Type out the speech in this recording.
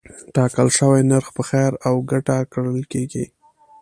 ټاکل شوی نرخ په خیر او ګټه ګڼل کېږي.